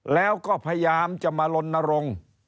แล้วก็พยายามจะมาลนรงค์